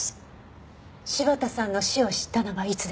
柴田さんの死を知ったのはいつですか？